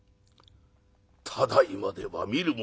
ただいまでは見るもいぶせき